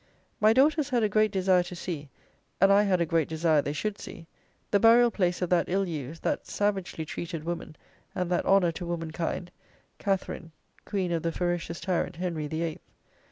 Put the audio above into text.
My daughters had a great desire to see, and I had a great desire they should see, the burial place of that ill used, that savagely treated, woman, and that honour to woman kind, Catherine, queen of the ferocious tyrant, Henry the Eighth.